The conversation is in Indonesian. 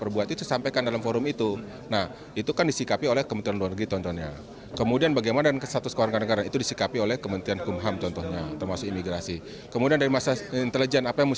bapak komjen paul soehardi alius